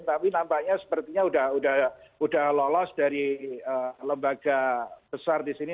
tapi nampaknya sepertinya sudah lolos dari lembaga besar di sini